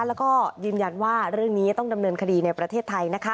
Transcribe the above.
แล้วก็ยืนยันว่าเรื่องนี้ต้องดำเนินคดีในประเทศไทย